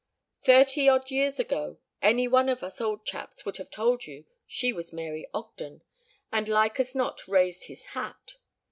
"Thirty odd years ago any one of us old chaps would have told you she was Mary Ogden, and like as not raised his hat.